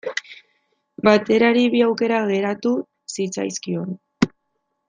Baterari bi aukera geratu zitzaizkion.